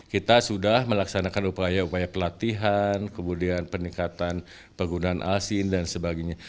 kita sudah melaksanakan upaya upaya pelatihan kemudian peningkatan penggunaan alsin dan sebagainya